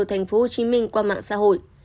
tp hcm qua mạng xã hội